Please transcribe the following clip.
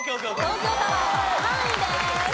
東京タワーは３位です。